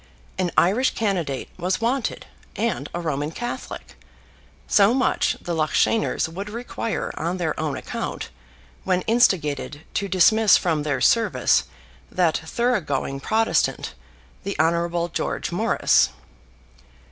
An Irish candidate was wanted, and a Roman Catholic. So much the Loughshaners would require on their own account when instigated to dismiss from their service that thorough going Protestant, the Hon. George Morris.